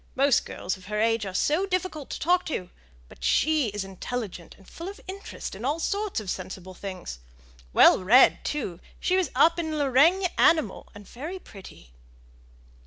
Most girls of her age are so difficult to talk to; but she is intelligent and full of interest in all sorts of sensible things; well read, too she was up in Le RĆgne Animal and very pretty!"